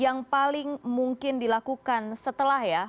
yang paling mungkin dilakukan setelah ya